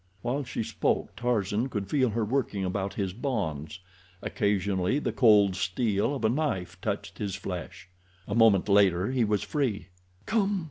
While she spoke Tarzan could feel her working about his bonds. Occasionally the cold steel of a knife touched his flesh. A moment later he was free. "Come!"